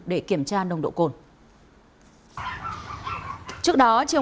để kiểm tra nông độ cồn